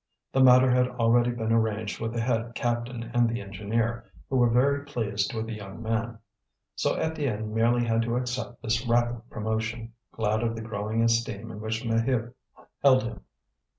The matter had already been arranged with the head captain and the engineer, who were very pleased with the young man. So Étienne merely had to accept this rapid promotion, glad of the growing esteem in which Maheu held him.